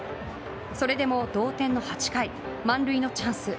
それでも同点の８回満塁のチャンス。